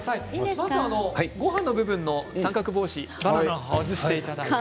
まずごはんの部分の三角帽子、バナナの葉を外していただいて。